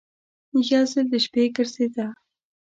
یو ځل د شپې ګرځېده.